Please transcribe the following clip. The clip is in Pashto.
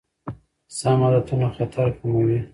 سم عادتونه خطر کموي.